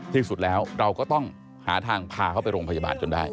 ที่สุดแล้วเราก็ต้องหาทางพาเขาไปโรงพยาบาลจนได้